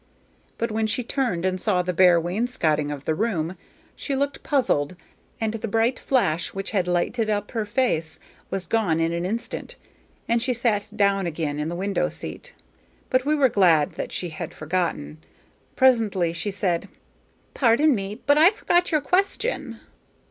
But when she turned and saw the bare wainscoting of the room, she looked puzzled, and the bright flash which had lighted up her face was gone in an instant, and she sat down again in the window seat; but we were glad that she had forgotten. Presently she said, "Pardon me, but I forget your question."